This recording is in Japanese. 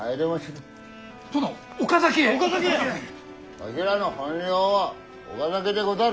わひらの本領は岡崎でござる。